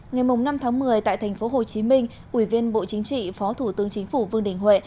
ngày năm tháng một mươi tại tp hcm ủy viên bộ chính trị phó thủ tướng chính phủ vương đình huệ